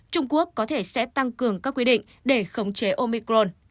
trung quốc có thể sẽ tăng cường các quy định để khống chế omicron